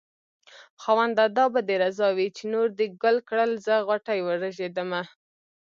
خاونده دا به دې رضا وي چې نور دې ګل کړل زه غوټۍ ورژېدمه